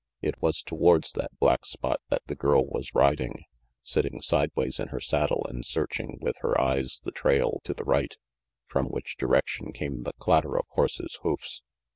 It was towards that black spot that the girl was riding, sitting sideways in her saddle and searching with her eyes the trail to the right, from which direction came the clatter of horses' hoofs.